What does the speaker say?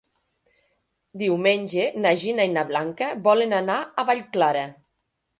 Diumenge na Gina i na Blanca volen anar a Vallclara.